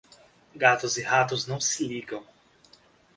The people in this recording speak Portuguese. Gatos e ratos não se ligam.